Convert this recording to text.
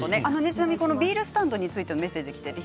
ビールスタンドについてのメッセージがきています。